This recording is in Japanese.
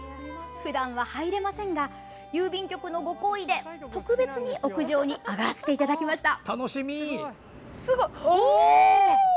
ふだんは入れませんが郵便局のご厚意で特別に屋上に上がらせていただきました。